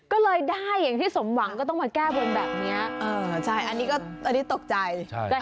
ก็เลยได้อย่างที่สมหวังก็ต้องมาแก้บนแบบนี้ใช่อันนี้ก็อันนี้ตกใจ